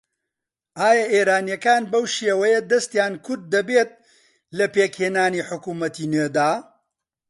ئایا ئێرانییەکان بەو شێوەیە دەستیان کورت دەبێت لە پێکهێنانی حکوومەتی نوێدا؟